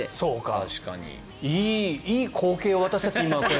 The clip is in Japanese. いい光景を私たち今、これ。